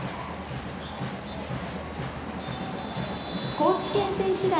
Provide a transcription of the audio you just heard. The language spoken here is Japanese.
高知県選手団。